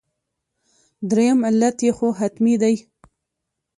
درېیم علت یې خو حتمي دی.